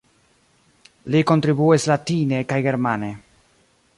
Li kontribuis latine kaj germane.